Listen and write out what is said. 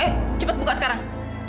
eh cepet buka sekarang